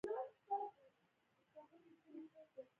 په دې منځ کې خلوص ته اړتیا نشته.